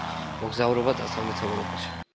მოგზაურობა დასავლეთ ევროპაში.